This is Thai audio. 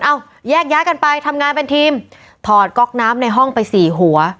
แยกย้ายกันไปทำงานเป็นทีมถอดก๊อกน้ำในห้องไปสี่หัว